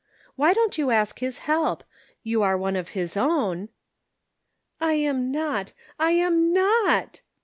Why don't you ask his help? You are one of his own." "I am not, I am not!"